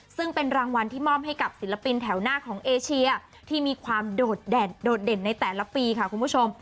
ซึ่งเป็นรางวัลที่มอบให้กับศิลปินแถวหน้าของเอเชียที่มีความโดดเด่นในแต่ละปีค่ะคุณผู้ชม